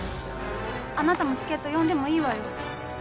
あなたも助っ人呼んでもいいわよ。